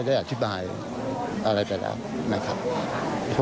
ได้อธิบายอะไรไปแล้วนะครับ